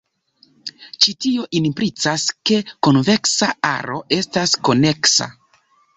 Ĉi tio implicas ke konveksa aro estas koneksa.